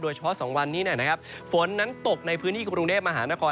โดยเฉพาะ๒วันนี้นะครับฝนนั้นตกในพื้นที่กรุงเดชน์มหานคร